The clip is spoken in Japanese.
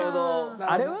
あれは。